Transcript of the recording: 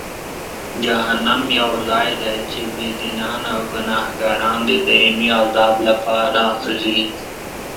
جهنم یو ځای دی چې بېدینان او ګناهکاران د دایمي عذاب لپاره ځي.